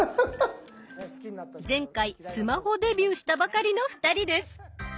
前回スマホデビューしたばかりの２人です。